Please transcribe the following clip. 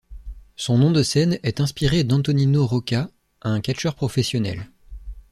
Son nom de scène est inspiré d'Antonino Rocca, un catcheur professionnel.